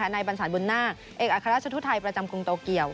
ในบรรสารบุญนาคเอกอัฆภราชทูตไทยประจำกรุงโตเกียว